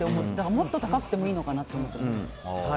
もっと高くてもいいのかなと思ったんですけど。